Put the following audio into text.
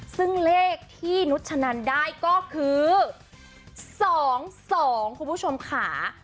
ซึ่งเลขที่นุชนันได้ก็คือ๒๒คุณผู้ชมค่ะ